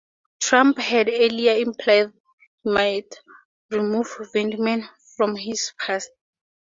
Trump had earlier implied he might remove Vindman from his post.